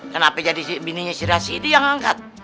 kenapa jadi bininya si rahsini yang ngangkat